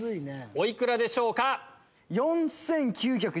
お幾らでしょうか？